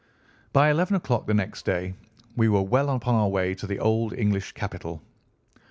By eleven o'clock the next day we were well upon our way to the old English capital.